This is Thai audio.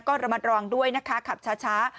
ก็ระมัดระวังด้วยนะคะขับช้า